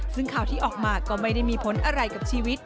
ซึ่งข่าวที่ออกมาก็ไม่ได้มีผลอะไรกับชีวิต